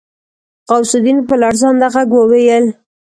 غوث الدين په لړزانده غږ وويل.